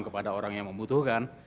kepada orang yang membutuhkan